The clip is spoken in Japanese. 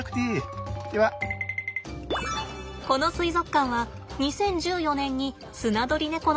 この水族館は２０１４年にスナドリネコの飼育を始めました。